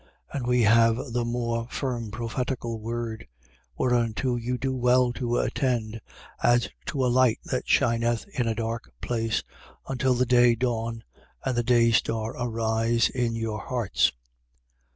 1:19. And we have the more firm prophetical word: whereunto you do well to attend, as to a light that shineth in a dark place, until the day dawn and the day star arise in your hearts.